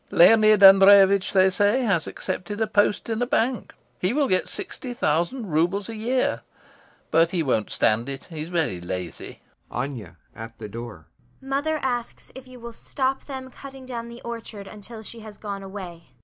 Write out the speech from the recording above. Leonid Andreyevitch, they say, has accepted a post in a bank; he will get sixty thousand roubles a year.... But he won't stand it; he's very lazy. ANYA. [At the door] Mother asks if you will stop them cutting down the orchard until she has gone away.